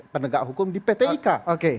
penegak hukum di pt ika